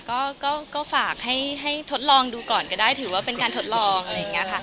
ใช่ค่ะก็ฝากให้ทดลองดูก่อนก็ได้ถือว่าเป็นการทดลอง